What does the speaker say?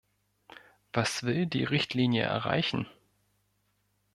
Was will die Richtlinie erreichen?